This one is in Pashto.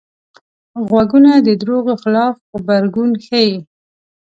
غوږونه د دروغو خلاف غبرګون ښيي